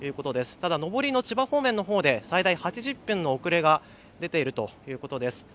ただ上りの千葉方面のほうで最大８０分の遅れが出ているということです。